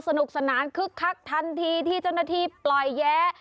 สนุกสนานคึกคักทันทีที่เจ้าหน้าที่ปล่อยแย้